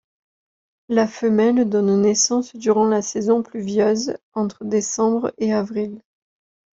La femelle donne naissance durant la saison pluvieuse, entre décembre et avril.